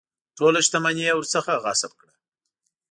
ټوله شته مني یې ورڅخه غصب کړه.